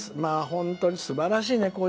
本当にすばらしいね。